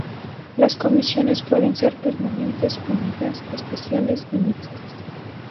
Las comisiones pueden ser: permanentes, unidas, especiales y mixtas.